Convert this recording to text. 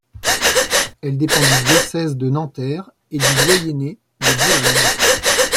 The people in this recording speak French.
Elle dépend du diocèse de Nanterre et du doyenné de Boulogne.